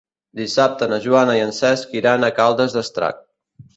Dissabte na Joana i en Cesc iran a Caldes d'Estrac.